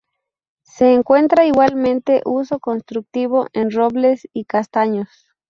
Se encuentra igualmente uso constructivo en robles y castaños.